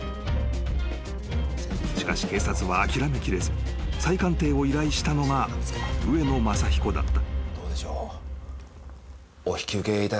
［しかし警察は諦めきれず再鑑定を依頼したのが上野正彦だった］